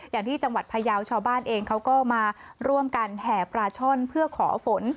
อย่างที่จังหวัดพยาวชาวบ้านเองเขาก็มาร่วมกันแห่ปลาช่อนเพื่อขอฝน